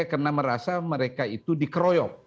dan mereka merasa mereka itu dikeroyok